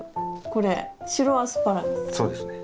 これ白アスパラですね。